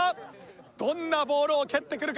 どんなボールを蹴ってくるか？